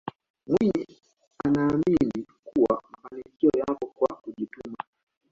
mwinyi anaamini kuwa mafanikio yapo kwa kujituma